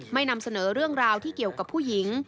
นำเสนอเรื่องราวที่เกี่ยวกับผู้หญิง